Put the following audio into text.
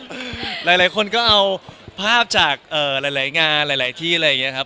หลายคนก็เอาภาพจากหลายงานหลายที่อะไรอย่างนี้ครับ